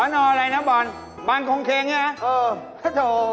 พ่อเป็นผู้กลับเหรอ